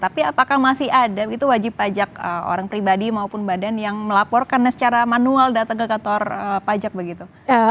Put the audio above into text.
tapi apakah masih ada wajib pajak orang pribadi maupun badan yang melaporkannya secara manual data kegagator pajak begitu